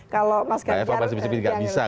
kalau mas ganjarit